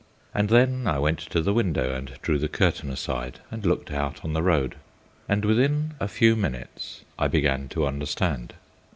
And then I went to the window and drew the curtain aside and looked out on the road, and within a few minutes I began to understand.